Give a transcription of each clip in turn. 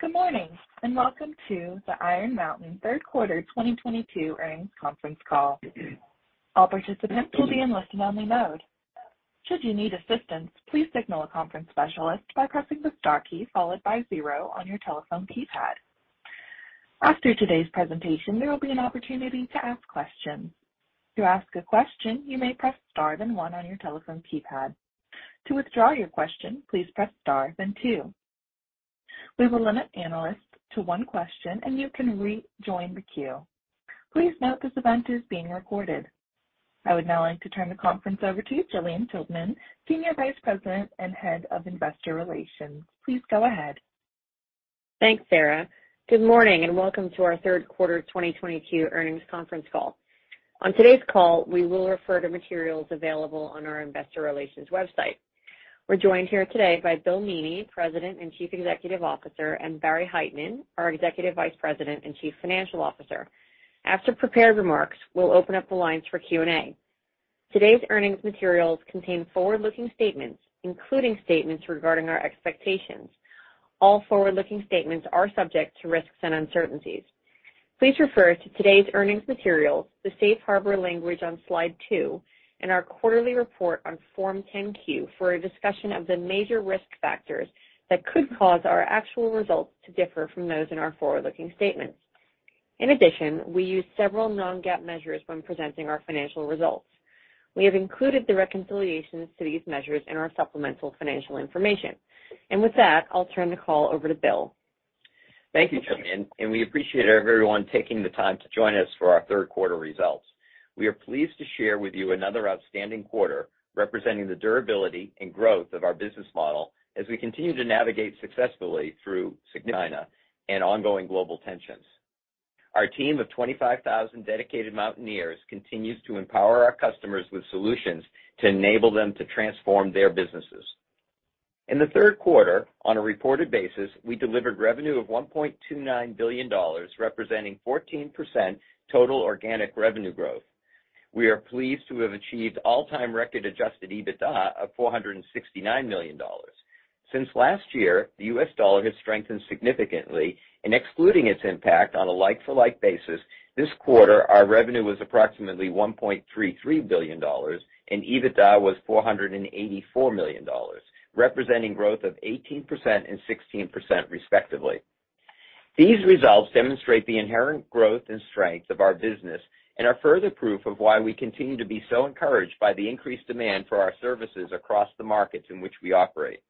Good morning, and welcome to the Iron Mountain third quarter 2022 earnings conference call. All participants will be in listen-only mode. Should you need assistance, please signal a conference specialist by pressing the star key followed by zero on your telephone keypad. After today's presentation, there will be an opportunity to ask questions. To ask a question, you may press star, then one on your telephone keypad. To withdraw your question, please press star, then two. We will limit analysts to one question, and you can rejoin the queue. Please note this event is being recorded. I would now like to turn the conference over to Gillian Tiltman, Senior Vice President and Head of Investor Relations. Please go ahead. Thanks, Sarah. Good morning, and welcome to our third quarter 2022 earnings conference call. On today's call, we will refer to materials available on our investor relations website. We're joined here today by Bill Meaney, President and Chief Executive Officer, and Barry Hytinen, our Executive Vice President and Chief Financial Officer. After prepared remarks, we'll open up the lines for Q&A. Today's earnings materials contain forward-looking statements, including statements regarding our expectations. All forward-looking statements are subject to risks and uncertainties. Please refer to today's earnings materials, the safe harbor language on slide two, and our quarterly report on Form 10-Q for a discussion of the major risk factors that could cause our actual results to differ from those in our forward-looking statements. In addition, we use several non-GAAP measures when presenting our financial results. We have included the reconciliations to these measures in our supplemental financial information. With that, I'll turn the call over to Bill. Thank you, Gillian, and we appreciate everyone taking the time to join us for our third quarter results. We are pleased to share with you another outstanding quarter representing the durability and growth of our business model as we continue to navigate successfully through significant and ongoing global tensions. Our team of 25,000 dedicated Mountaineers continues to empower our customers with solutions to enable them to transform their businesses. In the third quarter, on a reported basis, we delivered revenue of $1.29 billion, representing 14% total organic revenue growth. We are pleased to have achieved all-time record adjusted EBITDA of $469 million. Since last year, the U.S. dollar has strengthened significantly, and excluding its impact on a like-for-like basis, this quarter our revenue was approximately $1.33 billion and EBITDA was $484 million, representing growth of 18% and 16% respectively. These results demonstrate the inherent growth and strength of our business and are further proof of why we continue to be so encouraged by the increased demand for our services across the markets in which we operate.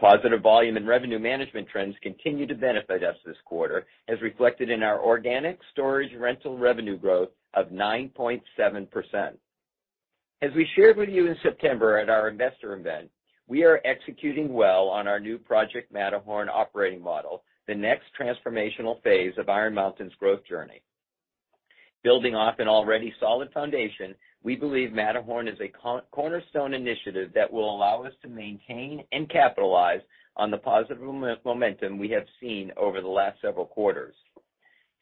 Positive volume and revenue management trends continued to benefit us this quarter, as reflected in our organic storage rental revenue growth of 9.7%. As we shared with you in September at our investor event, we are executing well on our new Project Matterhorn operating model, the next transformational phase of Iron Mountain's growth journey. Building off an already solid foundation, we believe Matterhorn is a cornerstone initiative that will allow us to maintain and capitalize on the positive momentum we have seen over the last several quarters.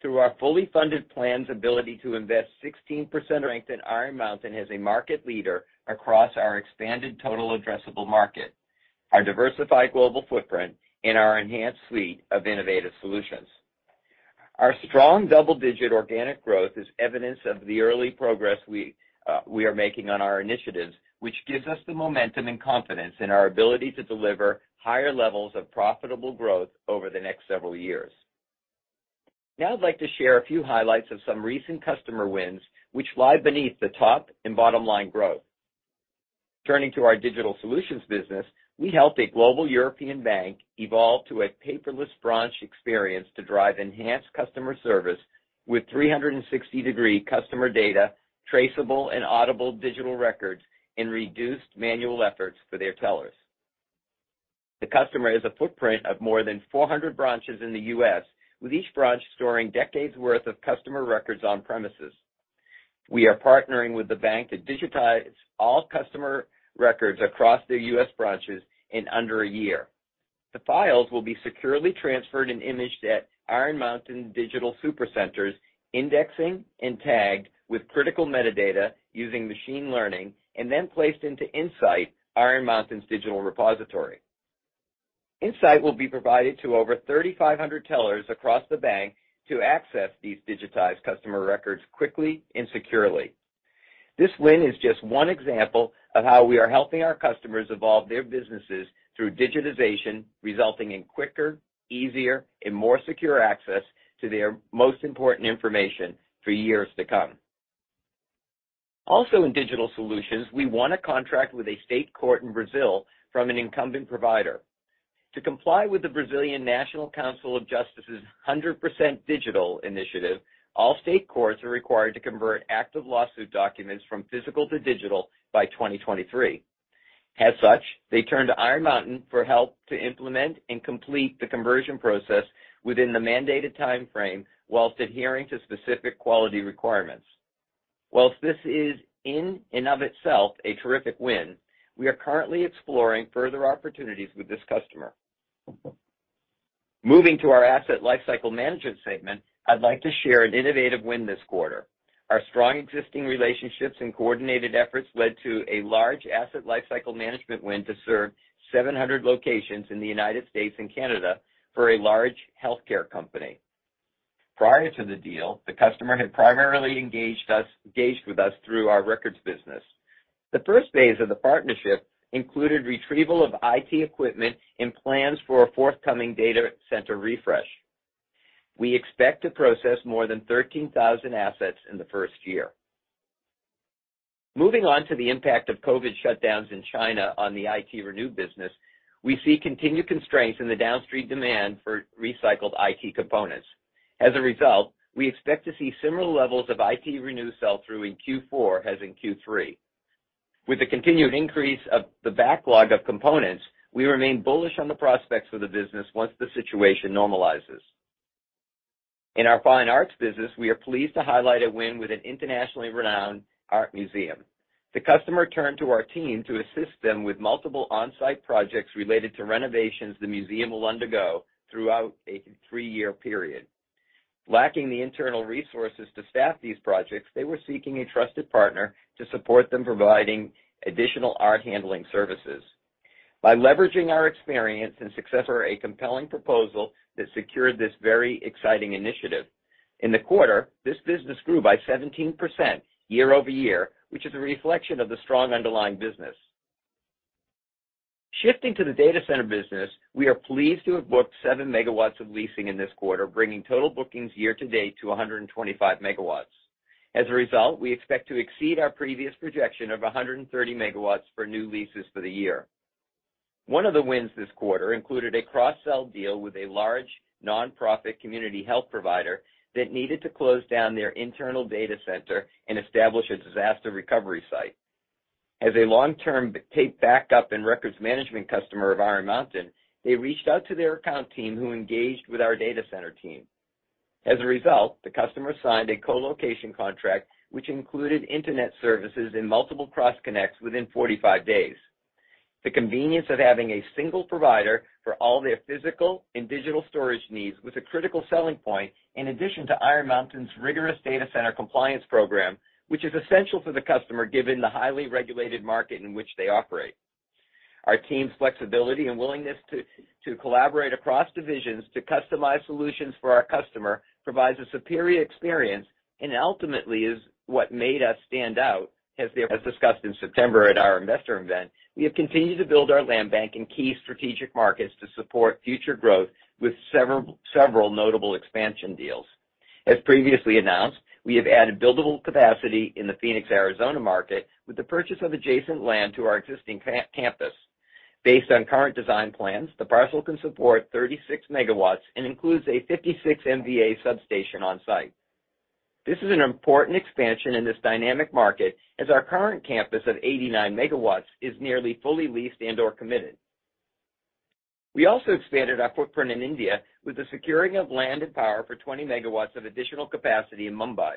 Through our fully funded plan's ability to invest 16% strength in Iron Mountain as a market leader across our expanded total addressable market, our diversified global footprint, and our enhanced suite of innovative solutions. Our strong double-digit organic growth is evidence of the early progress we are making on our initiatives, which gives us the momentum and confidence in our ability to deliver higher levels of profitable growth over the next several years. Now I'd like to share a few highlights of some recent customer wins which lie beneath the top and bottom-line growth. Turning to our digital solutions business, we helped a global European bank evolve to a paperless branch experience to drive enhanced customer service with 360-degree customer data, traceable and audible digital records, and reduced manual efforts for their tellers. The customer has a footprint of more than 400 branches in the U.S., with each branch storing decades worth of customer records on premises. We are partnering with the bank to digitize all customer records across their U.S. branches in under a year. The files will be securely transferred and imaged at Iron Mountain digital super centers, indexing and tagged with critical metadata using machine learning, and then placed into InSight, Iron Mountain's digital repository. InSight will be provided to over 3,500 tellers across the bank to access these digitized customer records quickly and securely. This win is just one example of how we are helping our customers evolve their businesses through digitization, resulting in quicker, easier, and more secure access to their most important information for years to come. Also in digital solutions, we won a contract with a state court in Brazil from an incumbent provider. To comply with the Brazilian National Council of Justice's 100% digital initiative, all state courts are required to convert active lawsuit documents from physical to digital by 2023. As such, they turn to Iron Mountain for help to implement and complete the conversion process within the mandated time frame while adhering to specific quality requirements. While this is in and of itself a terrific win, we are currently exploring further opportunities with this customer. Moving to our Asset Lifecycle Management segment, I'd like to share an innovative win this quarter. Our strong existing relationships and coordinated efforts led to a large Asset Lifecycle Management win to serve 700 locations in the United States and Canada for a large healthcare company. Prior to the deal, the customer had primarily engaged with us through our records business. The first phase of the partnership included retrieval of IT equipment and plans for a forthcoming data center refresh. We expect to process more than 13,000 assets in the first year. Moving on to the impact of COVID shutdowns in China on the ITRenew business, we see continued constraints in the downstream demand for recycled IT components. As a result, we expect to see similar levels of ITRenew sell-through in Q4 as in Q3. With the continued increase of the backlog of components, we remain bullish on the prospects for the business once the situation normalizes. In our fine arts business, we are pleased to highlight a win with an internationally renowned art museum. The customer turned to our team to assist them with multiple on-site projects related to renovations the museum will undergo throughout a three-year period. Lacking the internal resources to staff these projects, they were seeking a trusted partner to support them, providing additional art handling services. By leveraging our experience and success for a compelling proposal that secured this very exciting initiative. In the quarter, this business grew by 17% year-over-year, which is a reflection of the strong underlying business. Shifting to the data center business, we are pleased to have booked 7 MW of leasing in this quarter, bringing total bookings year-to-date to 125 MW. As a result, we expect to exceed our previous projection of 130 MW for new leases for the year. One of the wins this quarter included a cross-sell deal with a large nonprofit community health provider that needed to close down their internal data center and establish a disaster recovery site. As a long-term tape backup and records management customer of Iron Mountain, they reached out to their account team, who engaged with our data center team. As a result, the customer signed a co-location contract, which included internet services and multiple cross-connects within 45 days. The convenience of having a single provider for all their physical and digital storage needs was a critical selling point in addition to Iron Mountain's rigorous data center compliance program, which is essential to the customer given the highly regulated market in which they operate. Our team's flexibility and willingness to collaborate across divisions to customize solutions for our customer provides a superior experience, and ultimately is what made us stand out as their. As discussed in September at our investor event, we have continued to build our land bank in key strategic markets to support future growth with several notable expansion deals. As previously announced, we have added buildable capacity in the Phoenix, Arizona market with the purchase of adjacent land to our existing campus. Based on current design plans, the parcel can support 36 MW and includes a 56 MVA substation on site. This is an important expansion in this dynamic market, as our current campus of 89 MW is nearly fully leased and/or committed. We also expanded our footprint in India with the securing of land and power for 20 MW of additional capacity in Mumbai.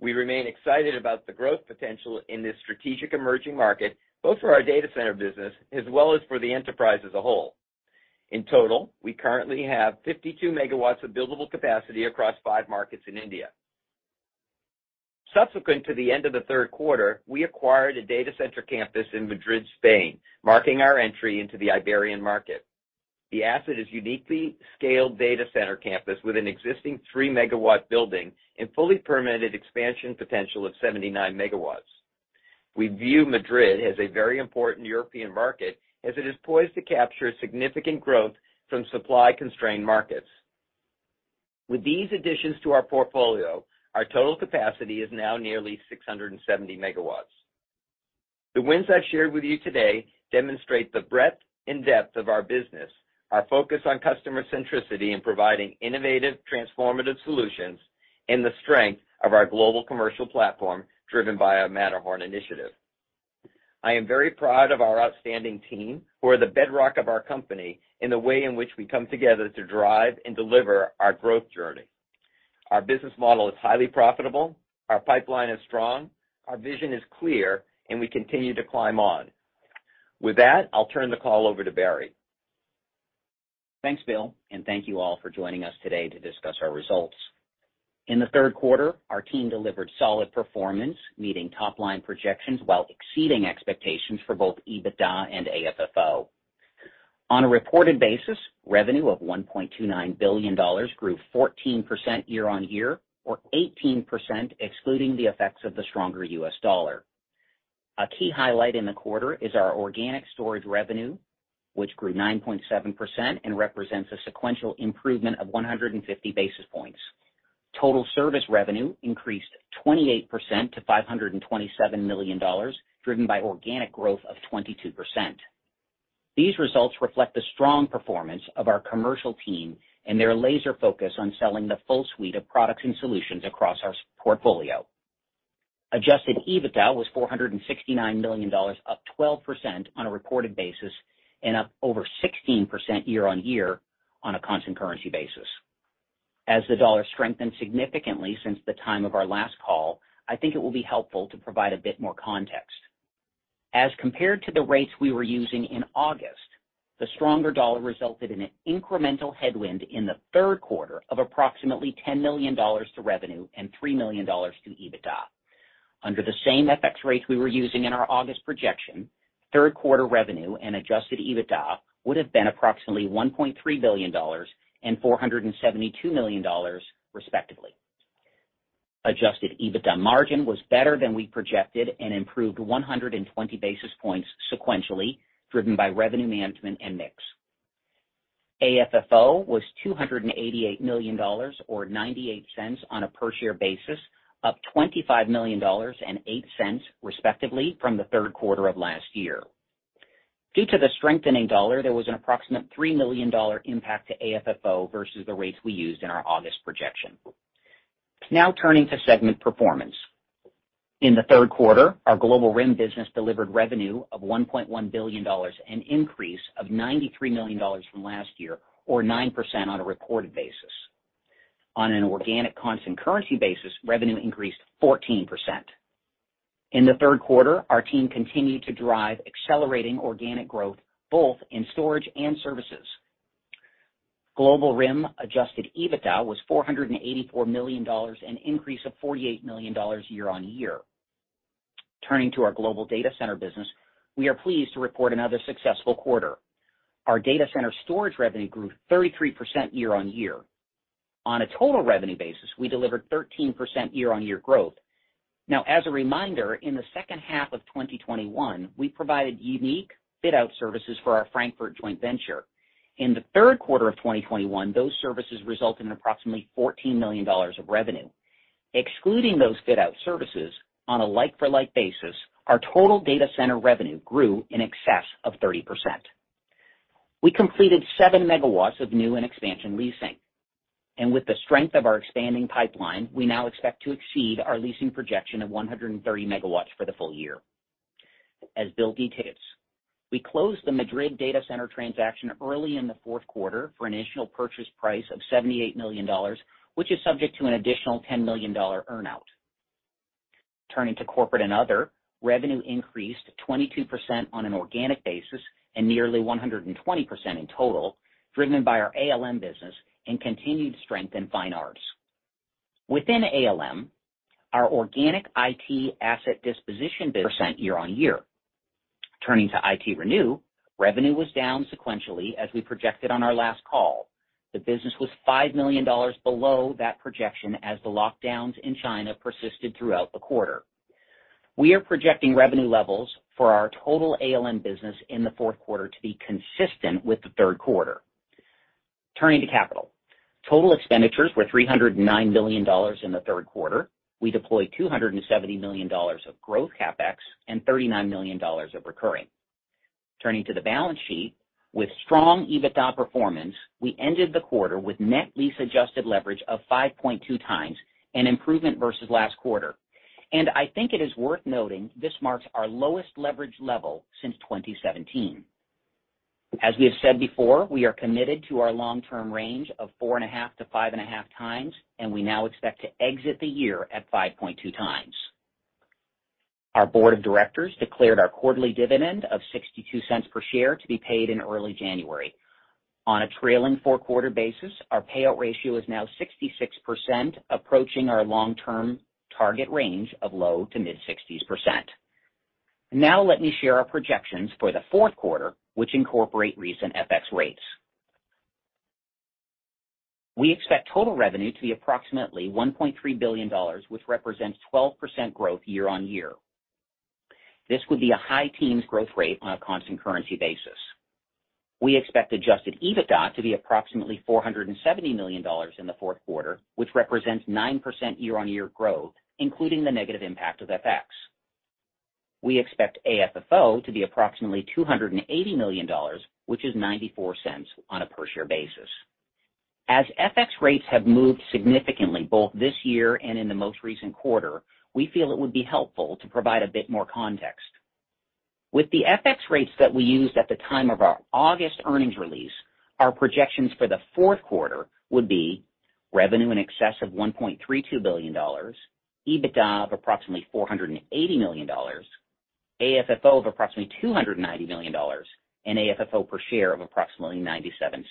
We remain excited about the growth potential in this strategic emerging market, both for our data center business as well as for the enterprise as a whole. In total, we currently have 52 MW of buildable capacity across five markets in India. Subsequent to the end of the third quarter, we acquired a data center campus in Madrid, Spain, marking our entry into the Iberian market. The asset is uniquely scaled data center campus with an existing 3 MW building and fully permitted expansion potential of 79 MW. We view Madrid as a very important European market as it is poised to capture significant growth from supply-constrained markets. With these additions to our portfolio, our total capacity is now nearly 670 MW. The wins I've shared with you today demonstrate the breadth and depth of our business, our focus on customer centricity in providing innovative, transformative solutions, and the strength of our global commercial platform driven by our Matterhorn initiative. I am very proud of our outstanding team, who are the bedrock of our company in the way in which we come together to drive and deliver our growth journey. Our business model is highly profitable, our pipeline is strong, our vision is clear, and we continue to climb on. With that, I'll turn the call over to Barry. Thanks, Bill, and thank you all for joining us today to discuss our results. In the third quarter, our team delivered solid performance, meeting top-line projections while exceeding expectations for both EBITDA and AFFO. On a reported basis, revenue of $1.29 billion grew 14% year-over-year, or 18% excluding the effects of the stronger U.S. dollar. A key highlight in the quarter is our organic storage revenue, which grew 9.7% and represents a sequential improvement of 150 basis points. Total service revenue increased 28% to $527 million, driven by organic growth of 22%. These results reflect the strong performance of our commercial team and their laser focus on selling the full suite of products and solutions across our storage portfolio. Adjusted EBITDA was $469 million, up 12% on a reported basis, and up over 16% year-on-year on a constant currency basis. As the dollar strengthened significantly since the time of our last call, I think it will be helpful to provide a bit more context. As compared to the rates we were using in August, the stronger dollar resulted in an incremental headwind in the third quarter of approximately $10 million to revenue and $3 million to EBITDA. Under the same FX rates we were using in our August projection, third quarter revenue and adjusted EBITDA would have been approximately $1.3 billion and $472 million, respectively. Adjusted EBITDA margin was better than we projected and improved 120 basis points sequentially, driven by revenue management and mix. AFFO was $288 million or $0.98 per share, up $25 million and $0.08, respectively, from the third quarter of last year. Due to the strengthening dollar, there was an approximate $3 million impact to AFFO versus the rates we used in our August projection. Now turning to segment performance. In the third quarter, our Global RIM business delivered revenue of $1.1 billion, an increase of $93 million from last year or 9% on a reported basis. On an organic constant currency basis, revenue increased 14%. In the third quarter, our team continued to drive accelerating organic growth both in storage and services. Global RIM adjusted EBITDA was $484 million, an increase of $48 million year-over-year. Turning to our Global Data Center business, we are pleased to report another successful quarter. Our data center storage revenue grew 33% year-over-year. On a total revenue basis, we delivered 13% year-over-year growth. Now as a reminder, in the second half of 2021, we provided unique fit out services for our Frankfurt joint venture. In the third quarter of 2021, those services resulted in approximately $14 million of revenue. Excluding those fit out services on a like-for-like basis, our total data center revenue grew in excess of 30%. We completed 7 MW of new and expansion leasing. With the strength of our expanding pipeline, we now expect to exceed our leasing projection of 130 MW for the full year. As Bill details, we closed the Madrid data center transaction early in the fourth quarter for an initial purchase price of $78 million, which is subject to an additional $10 million earn-out. Turning to corporate and other, revenue increased 22% on an organic basis and nearly 120% in total, driven by our ALM business and continued strength in fine arts. Within ALM, our organic IT asset disposition business percent year-on-year. Turning to ITRenew, revenue was down sequentially as we projected on our last call. The business was $5 million below that projection as the lockdowns in China persisted throughout the quarter. We are projecting revenue levels for our total ALM business in the fourth quarter to be consistent with the third quarter. Turning to capital. Total expenditures were $309 million in the third quarter. We deployed $270 million of growth CapEx and $39 million of recurring. Turning to the balance sheet. With strong EBITDA performance, we ended the quarter with net lease adjusted leverage of 5.2x, an improvement versus last quarter. I think it is worth noting this marks our lowest leverage level since 2017. As we have said before, we are committed to our long-term range of 4.5x-5.5x, and we now expect to exit the year at 5.2x. Our board of directors declared our quarterly dividend of $0.62 per share to be paid in early January. On a trailing four-quarter basis, our payout ratio is now 66%, approaching our long-term target range of low-to-mid 60s%. Now let me share our projections for the fourth quarter, which incorporate recent FX rates. We expect total revenue to be approximately $1.3 billion, which represents 12% growth year-over-year. This would be a high teens growth rate on a constant currency basis. We expect adjusted EBITDA to be approximately $470 million in the fourth quarter, which represents 9% year-over-year growth, including the negative impact of FX. We expect AFFO to be approximately $280 million, which is $0.94 on a per share basis. As FX rates have moved significantly both this year and in the most recent quarter, we feel it would be helpful to provide a bit more context. With the FX rates that we used at the time of our August earnings release, our projections for the fourth quarter would be revenue in excess of $1.32 billion, EBITDA of approximately $480 million, AFFO of approximately $290 million, and AFFO per share of approximately $0.97.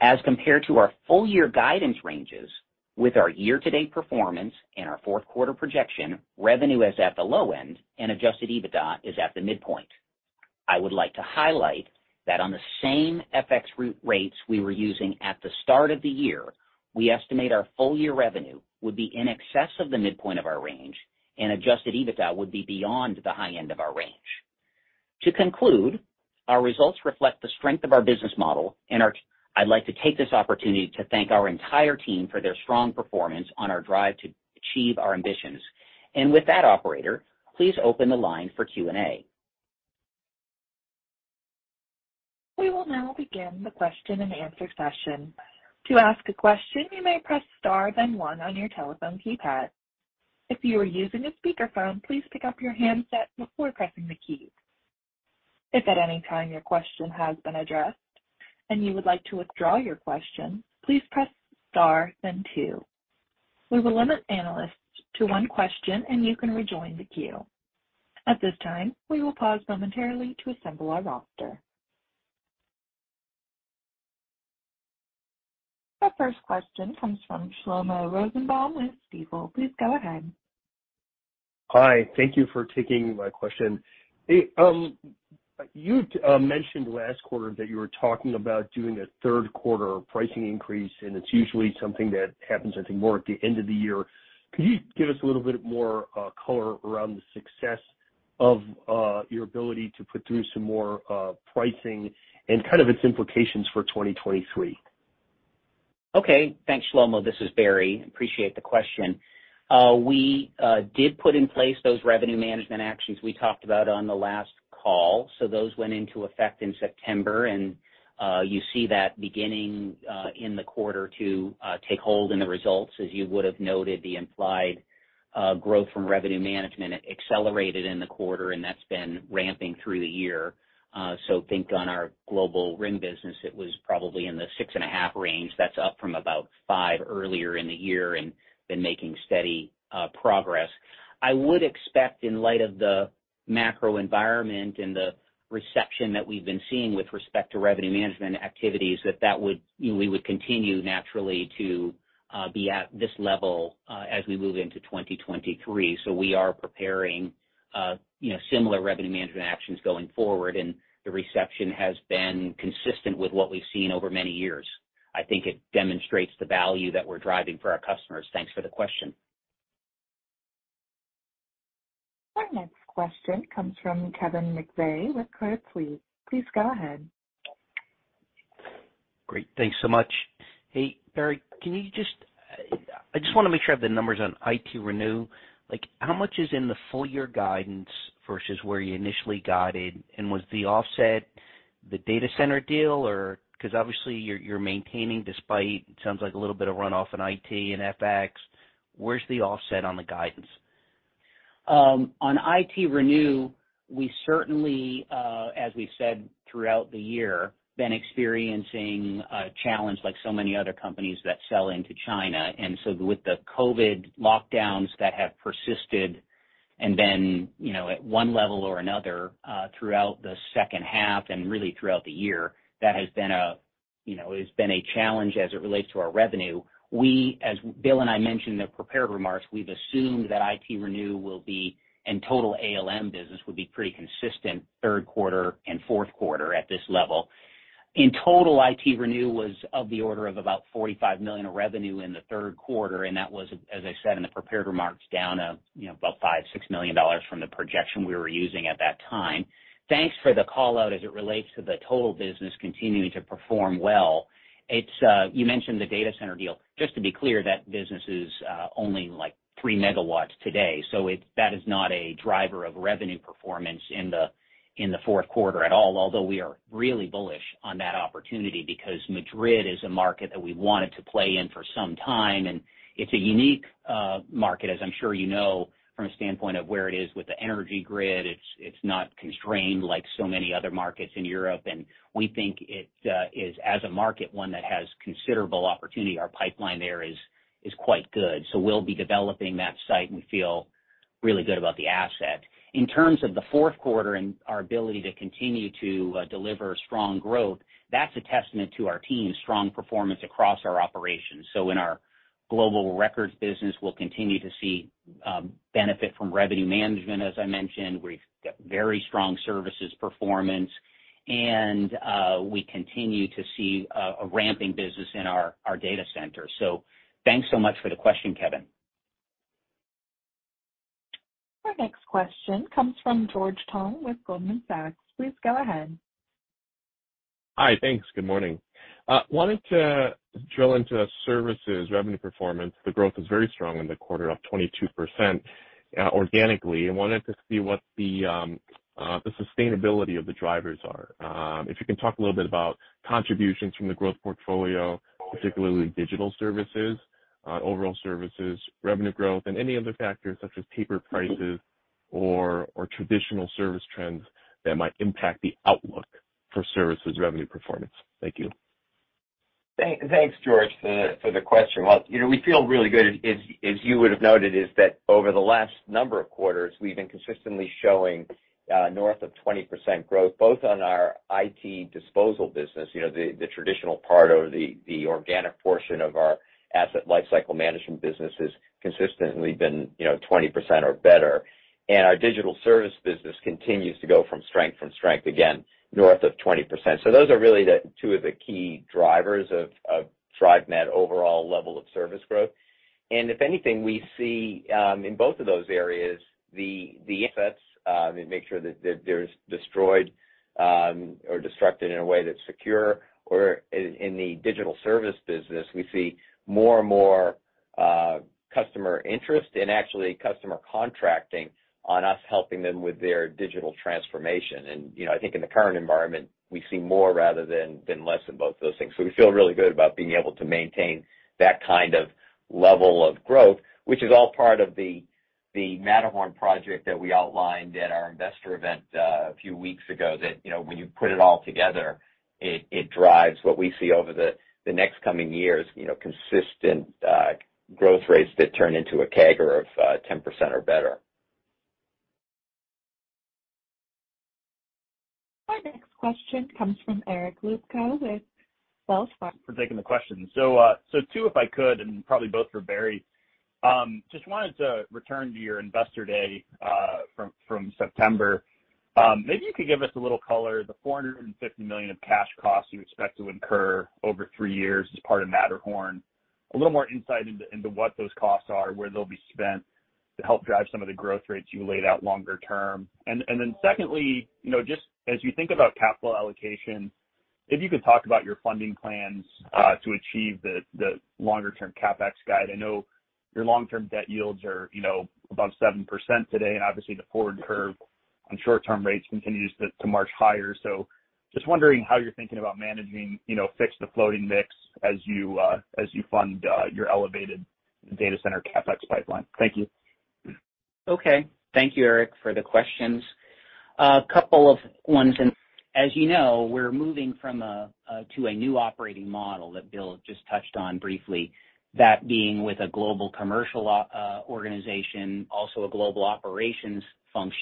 As compared to our full year guidance ranges, with our year-to-date performance and our fourth quarter projection, revenue is at the low end and adjusted EBITDA is at the midpoint. I would like to highlight that on the same FX rates we were using at the start of the year, we estimate our full year revenue would be in excess of the midpoint of our range and adjusted EBITDA would be beyond the high end of our range. To conclude, our results reflect the strength of our business model. I'd like to take this opportunity to thank our entire team for their strong performance on our drive to achieve our ambitions. With that, operator, please open the line for Q&A. We will now begin the question-and-answer session. To ask a question, you may press star then one on your telephone keypad. If you are using a speakerphone, please pick up your handset before pressing the key. If at any time your question has been addressed and you would like to withdraw your question, please press star then two. We will limit analysts to one question and you can rejoin the queue. At this time, we will pause momentarily to assemble our roster. The first question comes from Shlomo Rosenbaum with Stifel. Please go ahead. Hi. Thank you for taking my question. Hey, you mentioned last quarter that you were talking about doing a third quarter pricing increase, and it's usually something that happens I think more at the end of the year. Could you give us a little bit more color around the success of your ability to put through some more pricing and kind of its implications for 2023? Okay. Thanks, Shlomo. This is Barry. Appreciate the question. We did put in place those revenue management actions we talked about on the last call. Those went into effect in September, and you see that beginning in the quarter to take hold in the results. As you would have noted, the implied growth from revenue management accelerated in the quarter, and that's been ramping through the year. Think on our Global RIM business, it was probably in the 6.5% range. That's up from about 5% earlier in the year and been making steady progress. I would expect in light of the macro environment and the reception that we've been seeing with respect to revenue management activities, that we would continue naturally to be at this level as we move into 2023. We are preparing, you know, similar revenue management actions going forward, and the reception has been consistent with what we've seen over many years. I think it demonstrates the value that we're driving for our customers. Thanks for the question. Our next question comes from Kevin McVeigh with Credit Suisse. Please go ahead. Great. Thanks so much. Hey, Barry, I just wanna make sure I have the numbers on ITRenew. Like, how much is in the full year guidance versus where you initially guided? And was the offset the data center deal or? 'Cause obviously you're maintaining despite sounds like a little bit of runoff in IT and FX. Where's the offset on the guidance? On ITRenew, we certainly, as we said throughout the year, been experiencing a challenge like so many other companies that sell into China. With the COVID lockdowns that have persisted and been at one level or another throughout the second half and really throughout the year, that has been a challenge as it relates to our revenue. We, as Bill and I mentioned in the prepared remarks, we've assumed that ITRenew will be, and total ALM business will be pretty consistent third quarter and fourth quarter at this level. In total, ITRenew was of the order of about $45 million of revenue in the third quarter, and that was, as I said in the prepared remarks, down about $5-$6 million from the projection we were using at that time. Thanks for the call-out as it relates to the total business continuing to perform well. You mentioned the data center deal. Just to be clear, that business is only like 3 MW today. That is not a driver of revenue performance in the fourth quarter at all. Although we are really bullish on that opportunity because Madrid is a market that we wanted to play in for some time. It's a unique market, as I'm sure you know, from a standpoint of where it is with the energy grid. It's not constrained like so many other markets in Europe. We think it is as a market, one that has considerable opportunity. Our pipeline there is quite good. We'll be developing that site and feel really good about the asset. In terms of the fourth quarter and our ability to continue to deliver strong growth, that's a testament to our team's strong performance across our operations. In our global records business, we'll continue to see benefit from revenue management as I mentioned. We've got very strong services performance, and we continue to see a ramping business in our data center. Thanks so much for the question, Kevin. Our next question comes from George Tong with Goldman Sachs. Please go ahead. Hi. Thanks. Good morning. Wanted to drill into services revenue performance. The growth was very strong in the quarter, up 22%, organically. I wanted to see what the sustainability of the drivers are. If you can talk a little bit about contributions from the growth portfolio, particularly digital services, overall services revenue growth, and any other factors such as paper prices or traditional service trends that might impact the outlook for services revenue performance. Thank you. Thanks, George, for the question. Well, you know, we feel really good, as you would have noted, that over the last number of quarters, we've been consistently showing north of 20% growth both on our IT disposal business. You know, the traditional part or the organic portion of our Asset Lifecycle Management business has consistently been, you know, 20% or better. Our digital service business continues to go from strength to strength, again, north of 20%. Those are really the two of the key drivers of [DriveMed] overall level of service growth. If anything, we see in both of those areas the assets we make sure that there's destroyed or destroyed in a way that's secure. In the digital service business, we see more and more customer interest and actually customer contracting on us helping them with their digital transformation. You know, I think in the current environment, we see more rather than less in both of those things. We feel really good about being able to maintain that kind of level of growth, which is all part of the The Matterhorn project that we outlined at our investor event a few weeks ago that, you know, when you put it all together, it drives what we see over the next coming years, you know, consistent growth rates that turn into a CAGR of 10% or better. Our next question comes from Eric Luebchow with Wells Fargo. For taking the question. Two, if I could, and probably both for Barry. Just wanted to return to your Investor Day from September. Maybe you could give us a little color, the $450 million of cash costs you expect to incur over three years as part of Matterhorn. A little more insight into what those costs are, where they'll be spent to help drive some of the growth rates you laid out longer term. And then secondly, you know, just as you think about capital allocation, if you could talk about your funding plans to achieve the long-term CapEx guide. I know your long-term debt yields are, you know, above 7% today, and obviously the forward curve on short-term rates continues to march higher. Just wondering how you're thinking about managing, you know, fixed to floating mix as you fund your elevated data center CapEx pipeline? Thank you. Okay. Thank you, Eric, for the questions. A couple of ones. As you know, we're moving from a to a new operating model that Bill just touched on briefly, that being with a global commercial organization, also a global operations function.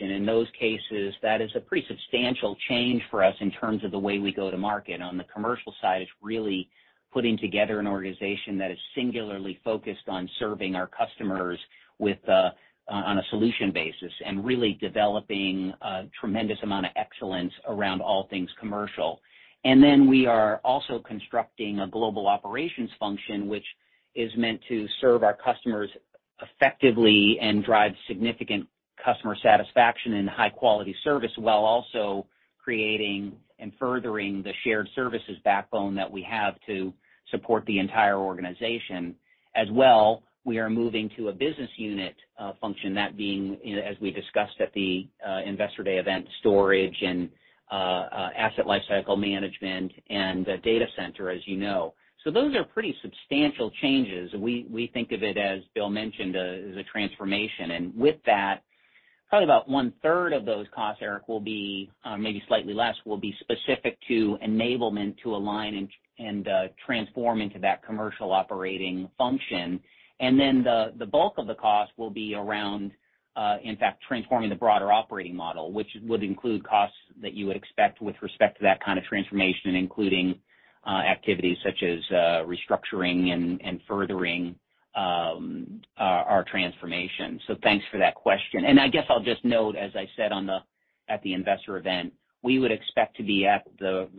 In those cases, that is a pretty substantial change for us in terms of the way we go to market. On the commercial side, it's really putting together an organization that is singularly focused on serving our customers with on a solution basis and really developing a tremendous amount of excellence around all things commercial. We are also constructing a global operations function, which is meant to serve our customers effectively and drive significant customer satisfaction and high-quality service, while also creating and furthering the shared services backbone that we have to support the entire organization. As well, we are moving to a business unit function, that being, you know, as we discussed at the Investor Day event, storage and Asset Lifecycle Management and data center, as you know. Those are pretty substantial changes. We think of it, as Bill mentioned, as a transformation. With that, probably about one-third of those costs, Eric, will be maybe slightly less, will be specific to enablement to align and transform into that commercial operating function. Then the bulk of the cost will be around, in fact, transforming the broader operating model, which would include costs that you would expect with respect to that kind of transformation, including activities such as restructuring and furthering our transformation. Thanks for that question. I guess I'll just note, as I said at the investor event, we would expect to be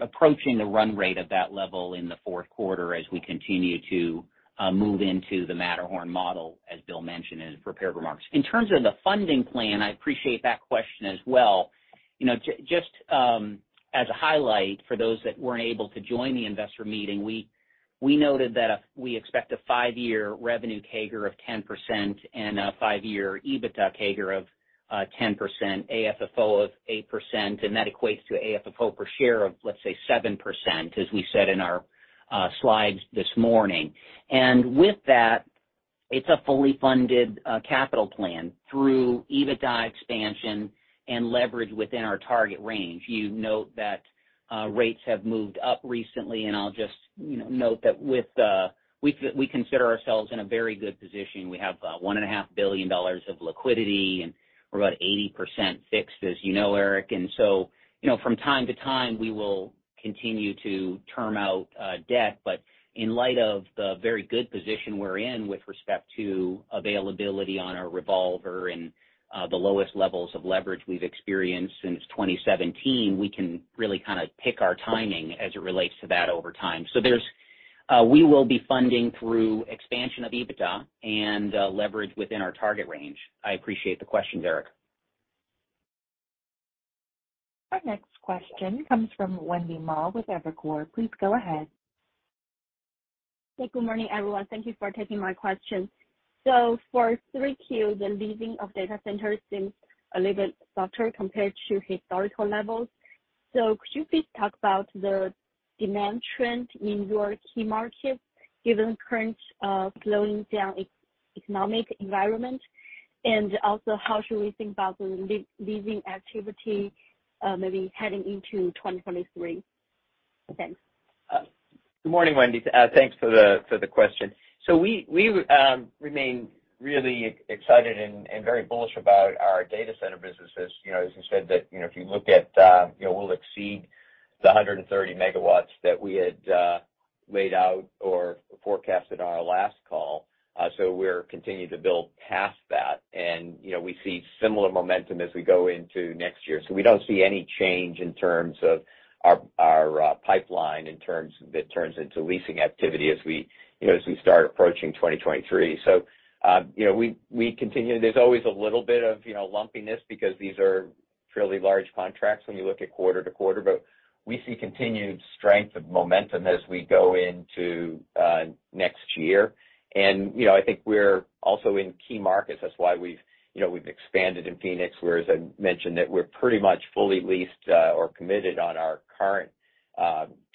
approaching the run rate of that level in the fourth quarter as we continue to move into the Matterhorn model, as Bill mentioned in his prepared remarks. In terms of the funding plan, I appreciate that question as well. Just as a highlight for those that weren't able to join the investor meeting, we noted that we expect a five-year revenue CAGR of 10% and a five-year EBITDA CAGR of 10%, AFFO of 8%, and that equates to AFFO per share of, let's say, 7%, as we said in our slides this morning. With that, it's a fully funded capital plan through EBITDA expansion and leverage within our target range. You note that rates have moved up recently, and I'll just, you know, note that with we consider ourselves in a very good position. We have $1.5 billion of liquidity, and we're about 80% fixed, as you know, Eric. You know, from time to time, we will continue to term out debt. But in light of the very good position we're in with respect to availability on our revolver and the lowest levels of leverage we've experienced since 2017, we can really kind of pick our timing as it relates to that over time. We will be funding through expansion of EBITDA and leverage within our target range. I appreciate the questions, Eric. Our next question comes from Wendy Ma with Evercore. Please go ahead. Hey, good morning, everyone. Thank you for taking my question. For 3Q, the leasing of data centers seems a little bit softer compared to historical levels. Could you please talk about the demand trend in your key markets given current, slowing down economic environment? And also, how should we think about the leasing activity, maybe heading into 2023? Thanks. Good morning, Wendy. Thanks for the question. We remain really excited and very bullish about our data center businesses. You know, as you said that, you know, if you look at, you know, we'll exceed the 130 MW that we had laid out or forecasted on our last call. We're continuing to build past that. You know, we see similar momentum as we go into next year. We don't see any change in terms of our pipeline in terms that turns into leasing activity as we, you know, as we start approaching 2023. You know, we continue. There's always a little bit of, you know, lumpiness because these are fairly large contracts when you look at quarter-to-quarter. We see continued strength of momentum as we go into next year. You know, I think we're also in key markets. That's why we've, you know, expanded in Phoenix, where, as I mentioned, that we're pretty much fully leased or committed on our current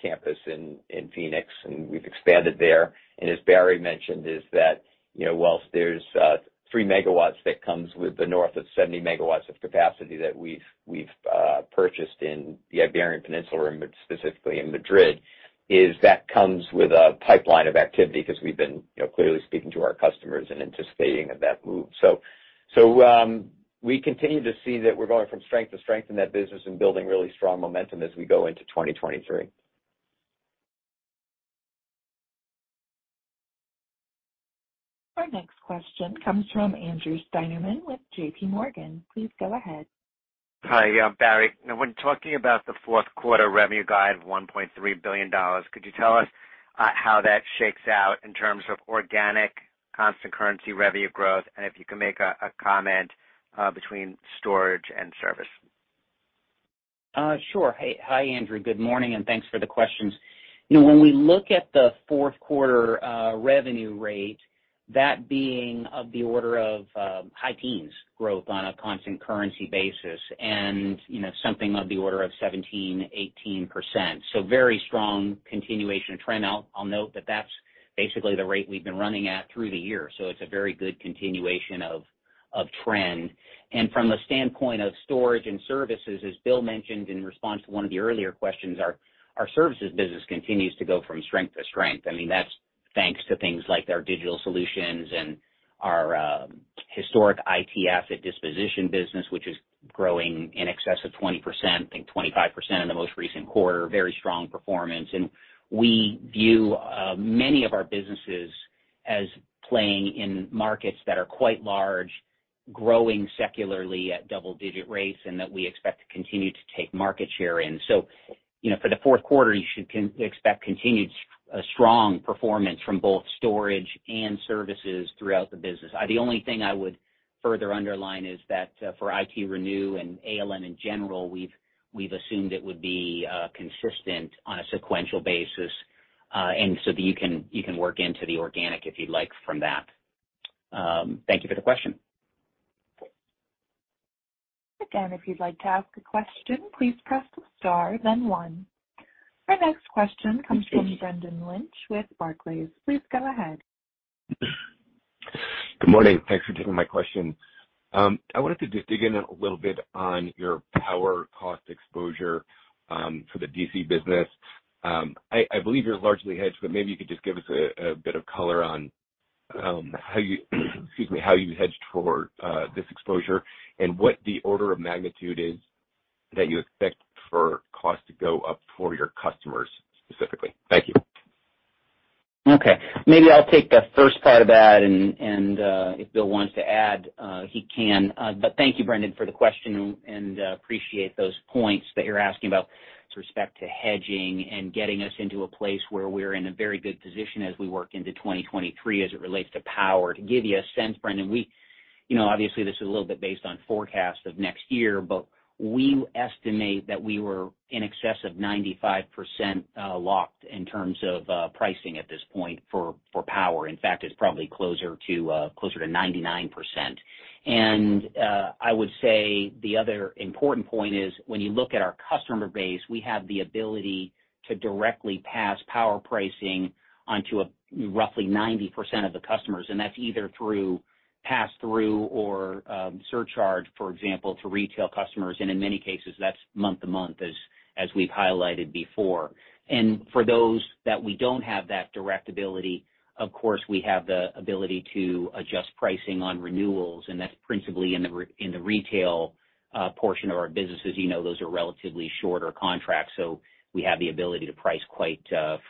Campus in Phoenix, and we've expanded there. As Barry mentioned, you know, while there's 3 MW that comes with north of 70 MW of capacity that we've purchased in the Iberian Peninsula and specifically in Madrid, that comes with a pipeline of activity because we've been, you know, clearly speaking to our customers and anticipating of that move. We continue to see that we're going from strength to strength in that business and building really strong momentum as we go into 2023. Our next question comes from Andrew Steinerman with JPMorgan. Please go ahead. Hi. Yeah, Barry, now when talking about the fourth quarter revenue guide of $1.3 billion, could you tell us how that shakes out in terms of organic constant currency revenue growth, and if you can make a comment between storage and service? Hi, Andrew. Good morning, and thanks for the questions. You know, when we look at the fourth quarter, revenue rate, that being of the order of high teens growth on a constant currency basis and, you know, something of the order of 17%-18%. Very strong continuation of trend. I'll note that that's basically the rate we've been running at through the year. It's a very good continuation of trend. From a standpoint of storage and services, as Bill mentioned in response to one of the earlier questions, our services business continues to go from strength to strength. I mean, that's thanks to things like our digital solutions and our historic IT asset disposition business, which is growing in excess of 20%, I think 25% in the most recent quarter. Very strong performance. We view many of our businesses as playing in markets that are quite large, growing secularly at double digit rates, and that we expect to continue to take market share in. You know, for the fourth quarter, you should expect continued strong performance from both storage and services throughout the business. The only thing I would further underline is that, for ITRenew and ALM in general, we've assumed it would be consistent on a sequential basis, and so that you can work into the organic if you'd like from that. Thank you for the question. Again, if you'd like to ask a question, please press star then one. Our next question comes from Brendan Lynch with Barclays. Please go ahead. Good morning. Thanks for taking my question. I wanted to just dig in a little bit on your power cost exposure for the DC business. I believe you're largely hedged, but maybe you could just give us a bit of color on how you hedged for this exposure and what the order of magnitude is that you expect for costs to go up for your customers specifically. Thank you. Okay, maybe I'll take the first part of that and if Bill wants to add, he can. Thank you, Brendan, for the question and appreciate those points that you're asking about with respect to hedging and getting us into a place where we're in a very good position as we work into 2023 as it relates to power. To give you a sense, Brendan, you know, obviously this is a little bit based on forecast of next year, but we estimate that we were in excess of 95% locked in terms of pricing at this point for power. In fact, it's probably closer to 99%. I would say the other important point is when you look at our customer base, we have the ability to directly pass power pricing onto roughly 90% of the customers, and that's either through pass through or surcharge, for example, to retail customers. In many cases, that's month-to-month as we've highlighted before. For those that we don't have that direct ability, of course, we have the ability to adjust pricing on renewals, and that's principally in the retail portion of our business. As you know, those are relatively shorter contracts, so we have the ability to price quite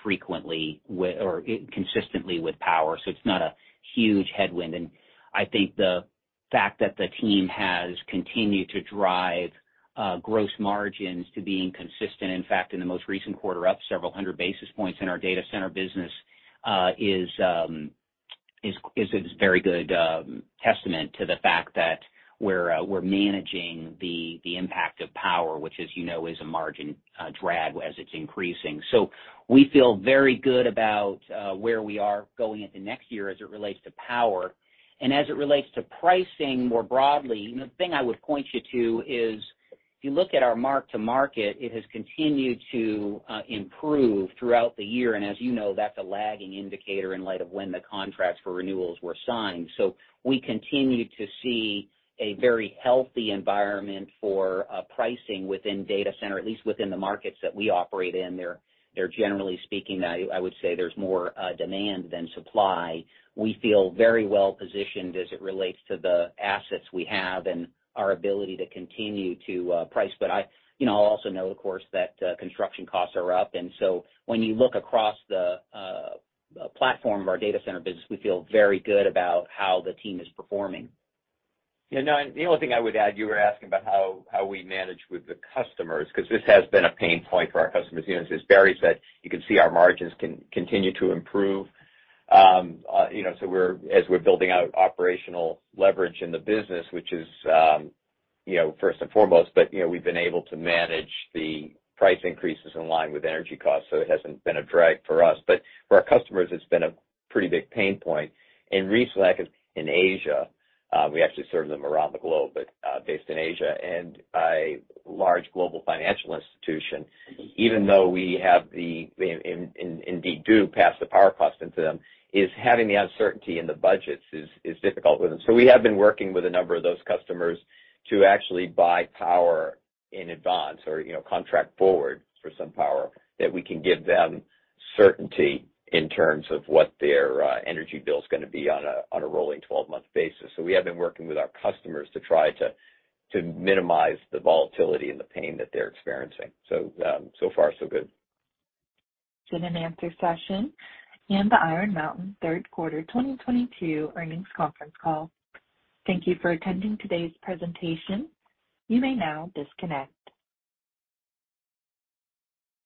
frequently with or consistently with power. It's not a huge headwind. I think the fact that the team has continued to drive gross margins to being consistent, in fact, in the most recent quarter, up several hundred basis points in our data center business, is a very good testament to the fact that we're managing the impact of power, which, as you know, is a margin drag as it's increasing. We feel very good about where we are going into next year as it relates to power. As it relates to pricing more broadly, the thing I would point you to is if you look at our mark to market, it has continued to improve throughout the year. As you know, that's a lagging indicator in light of when the contracts for renewals were signed. We continue to see a very healthy environment for pricing within Data Center, at least within the markets that we operate in. They're generally speaking, I would say there's more demand than supply. We feel very well positioned as it relates to the assets we have and our ability to continue to price. You know, I'll also note, of course, that construction costs are up, and so when you look across the platform of our Data Center business, we feel very good about how the team is performing. Yeah, no, the only thing I would add. You were asking about how we manage with the customers, because this has been a pain point for our customers. You know, as Barry said, you can see our margins continue to improve. You know, as we're building out operational leverage in the business, which is, you know, first and foremost, but, you know, we've been able to manage the price increases in line with energy costs, so it hasn't been a drag for us. For our customers, it's been a pretty big pain point. Recently, like in Asia, we actually serve them around the globe, but based in Asia and a large global financial institution, even though we indeed do pass the power cost into them, is having the uncertainty in the budgets difficult with them. We have been working with a number of those customers to actually buy power in advance or, you know, contract forward for some power that we can give them certainty in terms of what their energy bill is gonna be on a rolling 12-month basis. We have been working with our customers to try to minimize the volatility and the pain that they're experiencing. So far so good. Question and answer session and the Iron Mountain third quarter 2022 earnings conference call. Thank you for attending today's presentation. You may now disconnect.